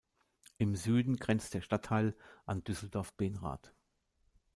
Im Süden grenzt der Stadtteil an Düsseldorf-Benrath.